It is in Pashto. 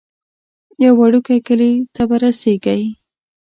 یو وړوکی کلی ته به رسیږئ.